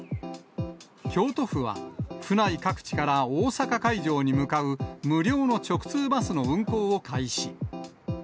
京都府は、府内各地から大阪会場に向かう無料の直通バスの運行を開始。